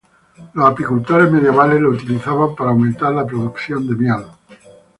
Los apicultores medievales lo utilizaban para aumentar la producción de miel.